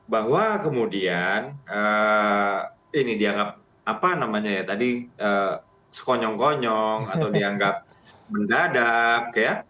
bahwa kemudian ini dianggap apa namanya ya tadi sekonyong konyong atau dianggap mendadak ya